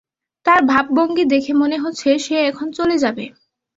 তার ভাবভঙ্গি দেখে মনে হচ্ছে, সে এখন চলে যাবে।